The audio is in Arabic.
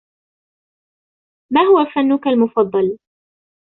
ما هو فنك المفضل ؟